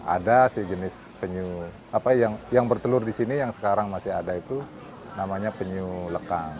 ada si jenis penyu apa yang bertelur di sini yang sekarang masih ada itu namanya penyu lekang